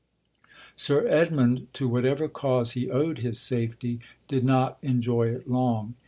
'Sir Edmund, to whatever cause he owed his safety, did not enjoy it long.